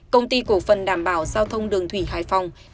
công ty cổ phần đảm bảo giao thông đường thủy hải phòng